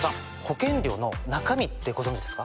保険料の中身ってご存じですか？